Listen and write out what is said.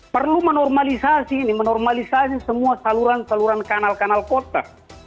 perlu menormalisasi ini menormalisasi semua saluran saluran kanal kanal kota